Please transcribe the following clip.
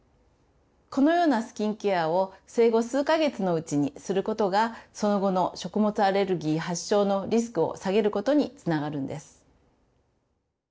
このようなスキンケアを生後数か月のうちにすることがその後の食物アレルギー発症のリスクを下げることにつながるんです。